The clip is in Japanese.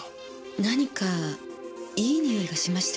何かいいにおいがしましたよね。